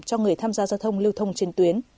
cho người tham gia giao thông lưu thông trên tuyến